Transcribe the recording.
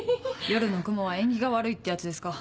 夜のクモは縁起が悪いってやつですか。